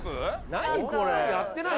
何これ！